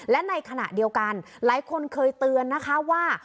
และในขณะเดียวกันหลายคนเคยเตือนนะคะว่า